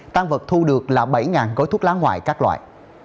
tăng vật thu được là bảy gói thuốc lá ngoại các loại